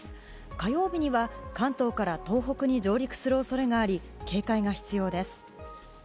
火曜日には、関東から東北に上陸する恐れがあり警戒が必要です。